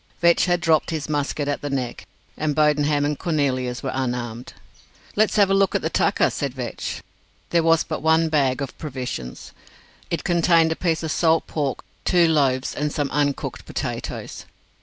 Vetch had dropped his musket at the Neck, and Bodenham and Cornelius were unarmed. "Let's have a look at the tucker," said Vetch. There was but one bag of provisions. It contained a piece of salt pork, two loaves, and some uncooked potatoes.